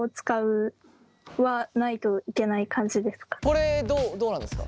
これどうなんですか？